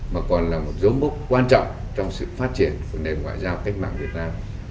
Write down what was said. mà còn là một dấu mốc quan trọng trong sự phát triển của nền ngoại giao cách mạng việt nam